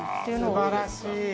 素晴らしい！